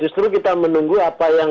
justru kita menunggu apa yang